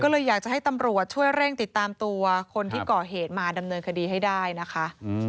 ก็เลยอยากจะให้ตำรวจช่วยเร่งติดตามตัวคนที่ก่อเหตุมาดำเนินคดีให้ได้นะคะ